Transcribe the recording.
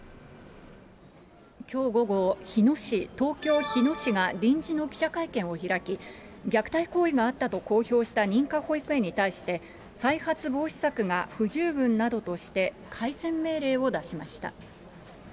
きょう午後、日野市、東京・日野市が臨時の記者会見を開き、虐待行為があったと公表した認可保育園に対して、再発防止策が不十分などとして改善命令を出しました。